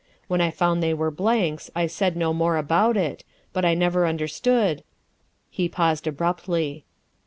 When I found they were blanks I said no more about it, but I never understood '' He paused abruptly.